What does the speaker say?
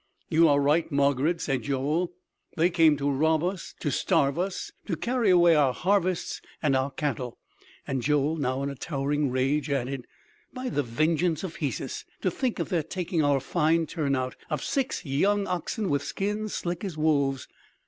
"You are right, Margarid," said Joel; "they came to rob us to starve us! to carry away our harvests and our cattle!" And Joel, now in a towering rage, added: "By the vengeance of Hesus! To think of their taking our fine turn out of six young oxen with skins slick as wolves!